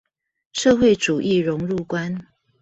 社會主義榮辱觀